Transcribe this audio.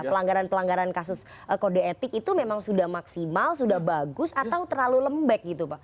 pelanggaran pelanggaran kasus kode etik itu memang sudah maksimal sudah bagus atau terlalu lembek gitu pak